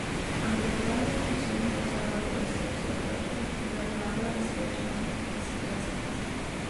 Ante tal destrucción causada por el sexo opuesto, Bernarda decide tomar medidas drásticas.